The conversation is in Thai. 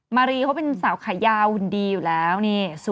มารีเขาเป็นสาวขายาวหุ่นดีอยู่แล้วนี่